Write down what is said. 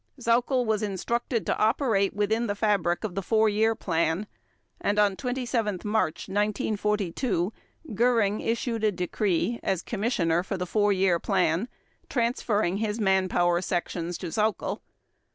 Sauckel was instructed to operate within the fabric of the Four Year Plan, and on 27 March 1942 Göring issued a decree as Commissioner for the Four Year Plan transferring his manpower sections to Sauckel.